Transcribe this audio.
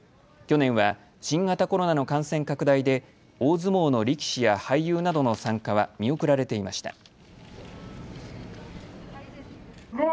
去年は新型コロナの感染拡大で大相撲の力士や俳優などの参加は見送られていました。